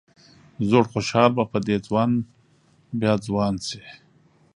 زوړ خوشال به په دې ځوان بیا ځوان شي.